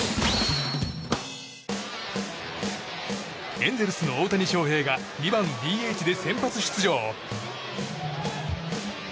エンゼルスの大谷翔平が２番ＤＨで先発出場。